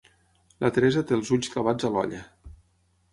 La Teresa té els ulls clavats a l'olla.